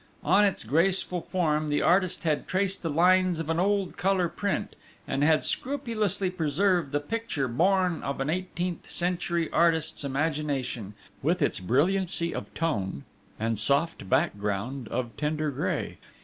On its graceful form the artist had traced the lines of an old colour print, and had scrupulously preserved the picture born of an eighteenth century artist's imagination, with its brilliancy of tone and soft background of tender grey.